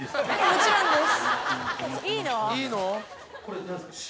もちろんです。